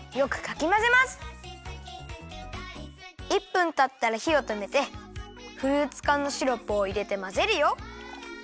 １分たったらひをとめてフルーツかんのシロップをいれてまぜるよ。